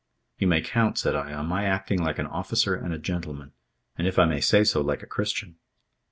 "You may count," said I, "on my acting like an officer and a gentleman, and, if I may say so, like a Christian."